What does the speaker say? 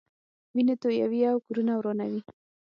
وینې تویوي او کورونه ورانوي.